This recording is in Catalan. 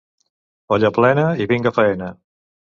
Olla plena i vinga faena.